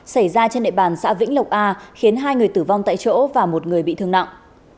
xảy ra trên địa bàn xã vĩnh lộc a khiến hai người tử vong tại chỗ và một người bị thương nặng